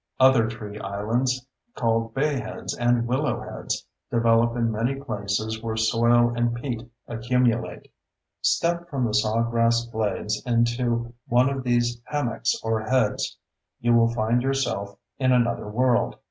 Other tree islands, called bayheads and willow heads, develop in many places where soil and peat accumulate. Step from the sawgrass glades into one of these hammocks or heads; you will find yourself in another world.